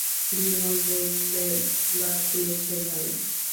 বিমল বললে, বাঁচিয়েছ ভাই।